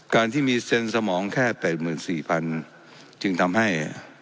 การที่มีเซ็นสมองแค่๘๔๐๐จึงทำให้